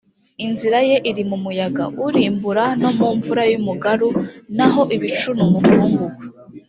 inzira ye iri mu muyaga urimbura no mu mvura y umugaru naho ibicu ni umukungugu